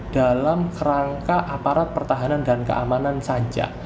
dalam kerangka aparat pertahanan dan keamanan saja